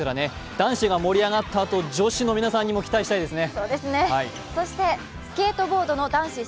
男子が盛り上がったあと女子の皆さんにも期待したいですね。